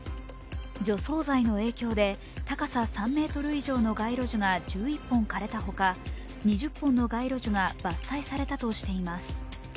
除草剤の影響で高さ３ｍ以上の街路樹が１１本枯れたほか２０本の街路樹が伐採されたとしています。